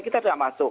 kita tidak masuk